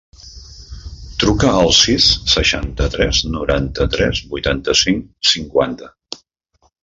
Truca al sis, seixanta-tres, noranta-tres, vuitanta-cinc, cinquanta.